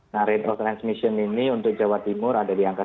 nah rate of transmission ini untuk jawa timur ada di angka satu